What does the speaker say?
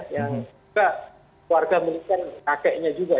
juga keluarga militer kakeknya juga